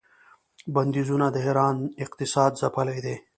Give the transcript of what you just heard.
بندیزونو د ایران اقتصاد ځپلی دی.